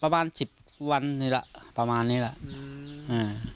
ประมาณสิบวันนี้แหละประมาณนี้แหละอืม